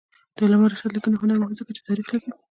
د علامه رشاد لیکنی هنر مهم دی ځکه چې تاریخ لیکي.